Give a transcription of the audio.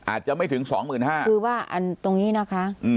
อาจจะไม่ถึง๒๕๐๐๐ครับคือว่าอันตรงนี้นะคะ